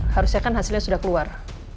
harusnya kan hasilnya sudah keluar